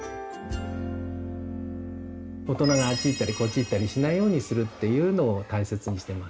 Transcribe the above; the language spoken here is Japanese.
大人があっち行ったりこっち行ったりしないようにするっていうのを大切にしてます。